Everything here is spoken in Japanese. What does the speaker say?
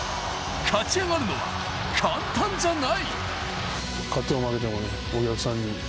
勝ち上がるのは簡単じゃない。